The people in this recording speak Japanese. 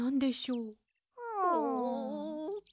うん。